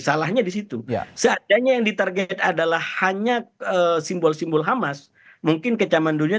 salahnya disitu seadanya yang ditarget adalah hanya simbol simbol hamas mungkin kecaman dunia